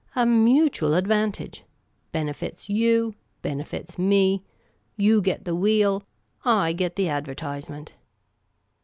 A mutual advantage. Benefits you ; benefits me. You get the wheel ; I get the adverf/se ment."